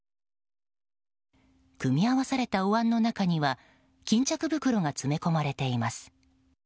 組み合わされたおわんの中には巾着袋が詰め込まれています。